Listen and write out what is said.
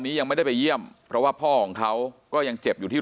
ยังไม่ได้ไปเยี่ยมเพราะว่าพ่อของเขาก็ยังเจ็บอยู่ที่